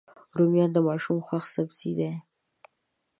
رومیان د ماشومانو خوښ سبزي ده